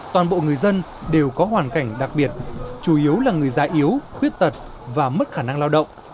toàn bộ người dân đều có hoàn cảnh đặc biệt chủ yếu là người già yếu khuyết tật và mất khả năng lao động